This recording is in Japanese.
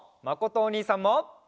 まことおにいさんも。